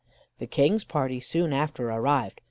The King's party soon after arrived.